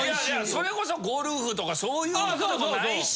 それこそゴルフとかそういうことでもないし。